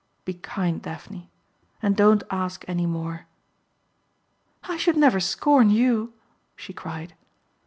Be kind, Daphne and don't ask any more." "I should never scorn you," she cried.